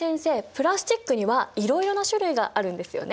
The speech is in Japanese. プラスチックにはいろいろな種類があるんですよね？